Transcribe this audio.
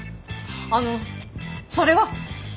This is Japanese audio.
あのそれは。